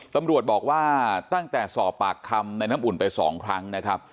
ตำรวจบอกว่าตั้งแต่สอบปากคำในน้ำอุ่นไป๒ครั้งนะครับ